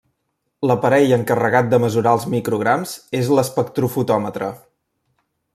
L'aparell encarregat de mesurar els micrograms és l'espectrofotòmetre.